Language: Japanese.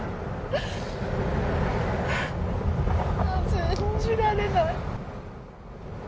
信じられない。